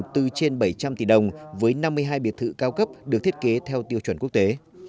từ trên bảy trăm linh tỷ đồng với năm mươi hai biệt thự cao cấp được thiết kế theo tiêu chuẩn quốc tế